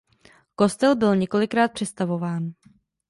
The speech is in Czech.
Kostel byl několikrát přestavován.